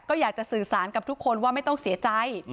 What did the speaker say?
ก็อยากจะสื่อสารกับทุกคนว่าไม่ต้องเสียใจ